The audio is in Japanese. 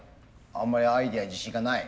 あんまりアイデアに自信がない？